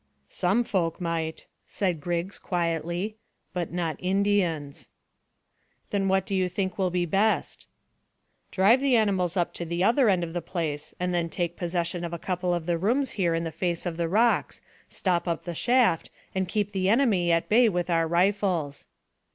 "Some folk might," said Griggs quietly, "but not Indians." "Then what do you think will be best?" "Drive the animals up to the other end of the place, and then take possession of a couple of the rooms here in the face of the rocks, stop up the shaft, and keep the enemy at bay with our rifles."